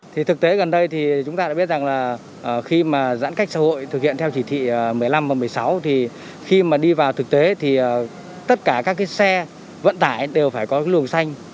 thì thực tế gần đây thì chúng ta đã biết rằng là khi mà giãn cách xã hội thực hiện theo chỉ thị một mươi năm và một mươi sáu thì khi mà đi vào thực tế thì tất cả các cái xe vận tải đều phải có cái luồng xanh